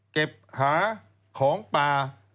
เก็บหาของป่า